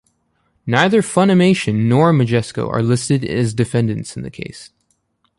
Neither Funimation nor Majesco are listed as defendants in the case.